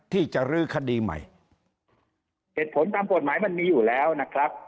ที่จะรื้อคดีใหม่เหตุผลตามกฎหมายมันมีอยู่แล้วนะครับ